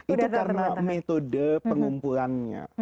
itu karena metode pengumpulannya